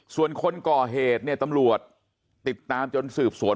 ส่วนคนก่อเหตุเนี่ยตำรวจติดตามจนสืบสวน